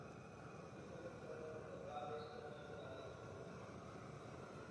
তিনি কহিলেন, তা বেশ তো যোগেন্দ্র, কাল যথাসময়ে আমাদের মিটিঙে লইয়া যাইয়ো।